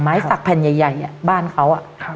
สักแผ่นใหญ่บ้านเขา